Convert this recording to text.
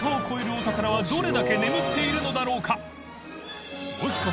お宝はどれだけ眠っているのだろうか磴發靴靴